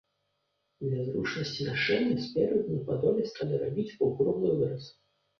Для зручнасці нашэння спераду на падоле сталі рабіць паўкруглы выраз.